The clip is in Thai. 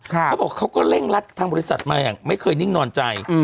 เขาบอกเขาก็เร่งรัดทางบริษัทมาอย่างไม่เคยนิ่งนอนใจ